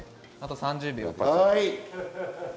あと３０秒です。